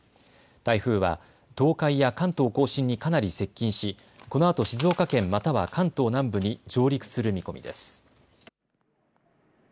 台風は東海や関東甲信にかなり接近し、このあと静岡県または関東南部に上陸する見込みです。